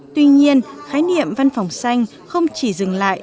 tuy nhiên khái niệm văn phòng xanh không chỉ dừng lại